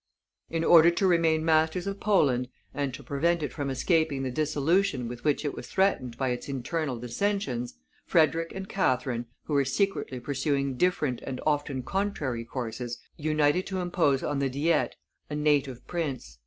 In order to remain masters of Poland and to prevent it from escaping the dissolution with which it was threatened by its internal dissensions, Frederick and Catherine, who were secretly pursuing different and often contrary courses, united to impose on the Diet a native prince.